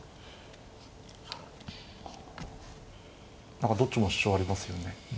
何かどっちも主張ありますよね。